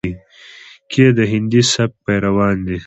کې د هندي سبک پېروان دي،